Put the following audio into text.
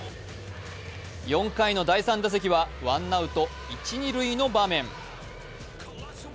４回の第３打席はワンアウト一・二塁の場面。